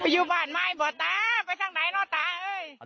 ไปอยู่บ้านใหม่พ่อตาไปทางไหนเนาะตา